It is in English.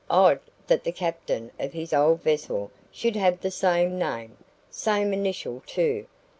Odd that the captain of his old vessel should have the same name same initial too.